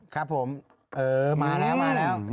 ครับผมมาแล้วมาแล้ว